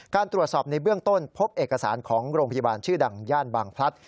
การตรวจสอบในเบื้องต้นพบเอกสารของโรงพยาบาลชื่อดังย่านบางพลัด